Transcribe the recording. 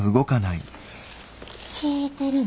聞いてるの？